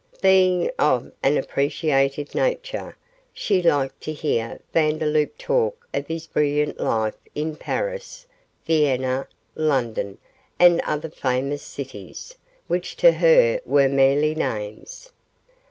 Being of an appreciative nature, she liked to hear Vandeloup talk of his brilliant life in Paris, Vienna, London, and other famous cities, which to her were merely names.